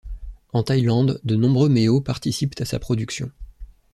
En Thaïlande, de nombreux Meo participent à sa production.